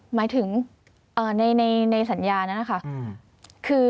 หมายถึงในสัญญานั้นนะคะ